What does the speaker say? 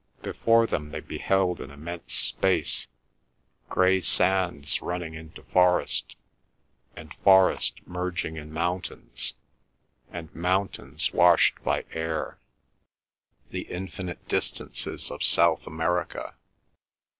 Before them they beheld an immense space—grey sands running into forest, and forest merging in mountains, and mountains washed by air, the infinite distances of South America.